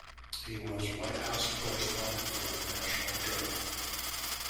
He was White House correspondent for "National Journal".